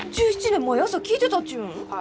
１７年毎朝聴いてたっちゅうん！？